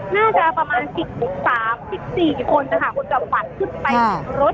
น่าจะประมาณ๑๐๑๓๑๔คนนะคะคนจะขวัดขึ้นไปรถ